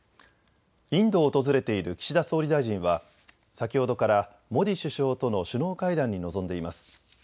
インドを訪れている岸田総理大臣は先ほどからモディ首相との首脳会談に臨んでいます。